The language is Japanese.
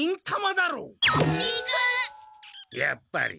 やっぱり。